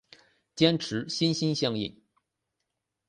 坚持心心相印。